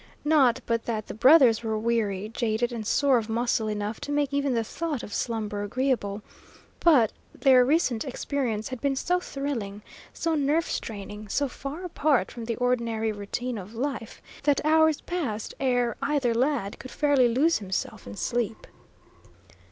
Not but that the brothers were weary, jaded, and sore of muscle enough to make even the thought of slumber agreeable; but their recent experience had been so thrilling, so nerve straining, so far apart from the ordinary routine of life, that hours passed ere either lad could fairly lose himself in sleep.